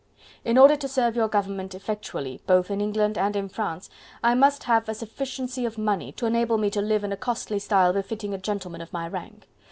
In order to serve your government effectually, both in England and in France, I must have a sufficiency of money, to enable me to live in a costly style befitting a gentleman of my rank.